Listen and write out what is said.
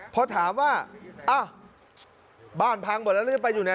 พอถามว่าอ้าวบ้านพังหมดแล้วหรือจะไปอยู่ไหน